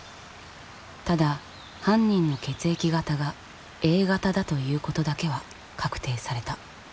ただ犯人の血液型がＡ型だということだけは確定された。